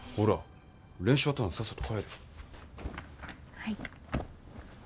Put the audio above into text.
はい。